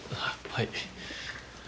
はい。